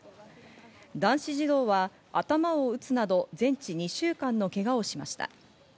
男子児童は頭を打つなど全治２週間のけがをしました。